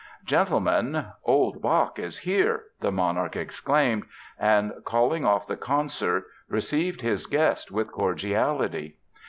"Gentlemen, old Bach is here!" the monarch exclaimed and, calling off the concert, received his guest with cordiality.